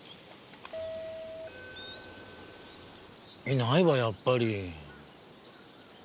いないわやっぱり。